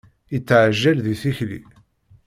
Yetteɛjal di tikli.